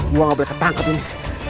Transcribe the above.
gue gak boleh ketangkep ini